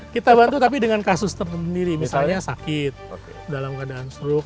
kita bantu tapi dengan kasus tertentu misalnya sakit dalam keadaan stroke